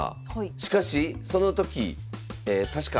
しかしその時確か大雨か